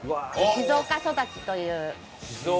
静岡そだちという。